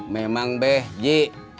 memang be ji